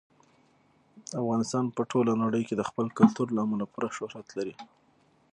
افغانستان په ټوله نړۍ کې د خپل کلتور له امله پوره شهرت لري.